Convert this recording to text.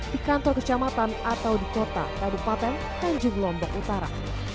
di kantor kecamatan atau di kota kabupaten tanjung lombok utara